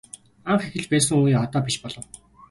Анх эхэлж байсан үе одоо биш болов.